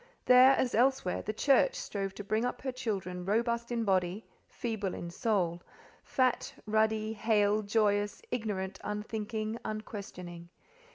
There, as elsewhere, the CHURCH strove to bring up her children robust in body, feeble in soul, fat, ruddy, hale, joyous, ignorant, unthinking, unquestioning.